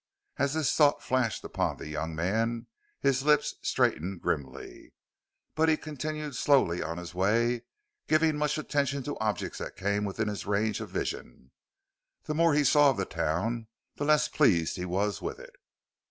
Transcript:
As this thought flashed upon the young man his lips straightened grimly. But he continued slowly on his way, giving much attention to objects that came within his range of vision. The more he saw of the town, the less pleased he was with it.